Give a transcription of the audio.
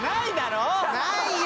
ないよ